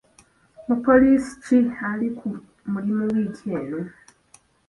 Mupoliisi ki ali ku mulimu wiiki eno?